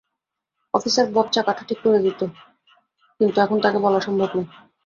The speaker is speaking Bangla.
অফিসার বব চাকাটা ঠিক করে দিতো, কিন্তু এখন তাকে বলা সম্ভব না।